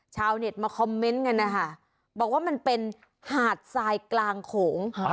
ชาวเน็ตมาคอมเมนต์กันนะคะบอกว่ามันเป็นหาดทรายกลางโขง